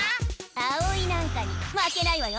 あおいなんかにまけないわよ！